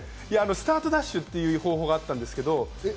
スタートダッシュっていう方法があったんですけれども。